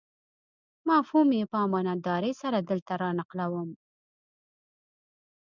مفهوم یې په امانتدارۍ سره دلته رانقلوم.